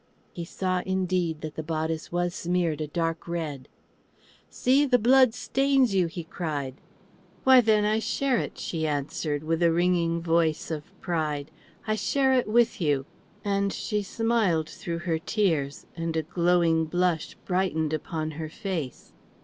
He saw indeed that the bodice was smeared a dark red. "See, the blood stains you!" he cried. "Why, then, I share it," she answered with a ringing voice of pride. "I share it with you;" and she smiled through her tears and a glowing blush brightened upon her face.